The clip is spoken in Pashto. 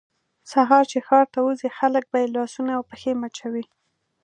سهار چې ښار ته وځي خلک به یې لاسونه او پښې مچوي.